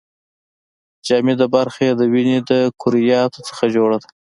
جامده برخه یې د وینې د کرویاتو څخه جوړه ده.